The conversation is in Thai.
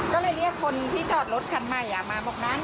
ก็เลยเรียกคนที่จอดรถคันใหม่มาบอกนะ